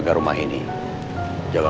ya udah kalau gitu